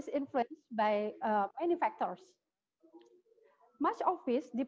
tentu saja tergantung oleh banyak faktor